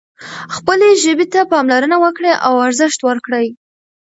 خپلې ژبې ته پاملرنه وکړئ او ارزښت ورکړئ.